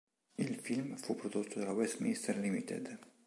Il film fu prodotto dalla Westminster Ltd.